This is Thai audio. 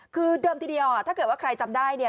คือเดิมทีเดียวถ้าเกิดว่าใครจำได้เนี่ย